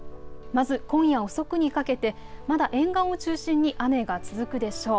まず今夜遅くにかけてまだ沿岸を中心に雨が続くでしょう。